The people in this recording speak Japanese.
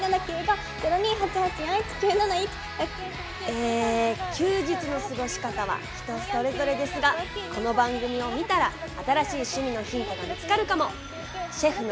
え休日の過ごし方は人それぞれですがこの番組を見たら新しい趣味のヒントが見つかるかも。